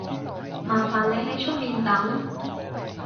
麻煩你喺出面等